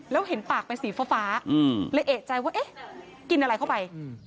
แล้วเห็นปากเป็นสีฟ้าเลยเอกใจว่าเอ๊ะกินอะไรเข้าไป